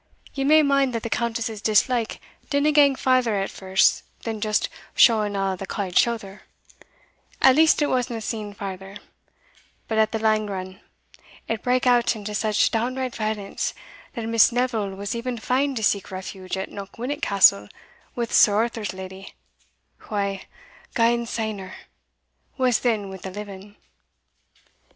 Ye may mind that the Countess's dislike didna gang farther at first than just showing o' the cauld shouther at least it wasna seen farther; but at the lang run it brak out into such downright violence that Miss Neville was even fain to seek refuge at Knockwinnock Castle with Sir Arthur's leddy, wha (God sain her!) was then wi' the living."